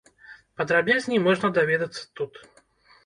Падрабязней можна даведацца тут.